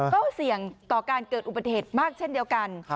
ก็เสี่ยงต่อการเกิดอุบัติเหตุมากเช่นเดียวกัน